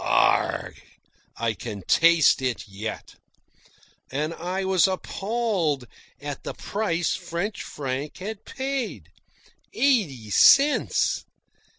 A r r r gh! I can taste it yet. And I was appalled at the price French Frank had paid eighty cents.